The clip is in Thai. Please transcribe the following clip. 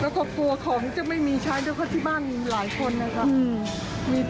แล้วก็กลัวของจะไม่มีใช้ด้วยเพราะที่บ้านหลายคนนะคะ